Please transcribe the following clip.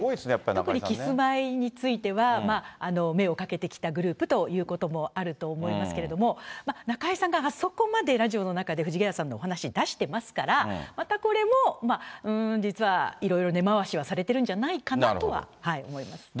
特にキスマイについては、目をかけてきたグループということもあると思いますけれども、中居さんがあそこまでラジオの中で藤ヶ谷さんのお話、出してますから、またこれも実はいろいろ根回しはされているんじゃないかなとは思